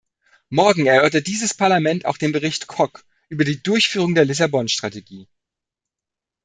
Morgen erörtert dieses Parlament auch den Bericht Kok über die Durchführung der Lissabon-Strategie.